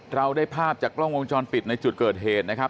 เราได้ภาพจากกล้องวงจรปิดในจุดเกิดเหตุนะครับ